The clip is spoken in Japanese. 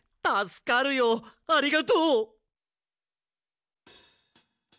たすかるよありがとう！